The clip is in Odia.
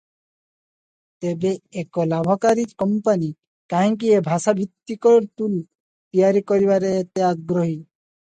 ତେବେ ଏକ ଲାଭକାରୀ କମ୍ପାନି କାହିଁକି ଏ ଭାଷାଭିତ୍ତିକ ଟୁଲ ତିଆରି କରିବାରେ ଏତେ ଆଗ୍ରହୀ?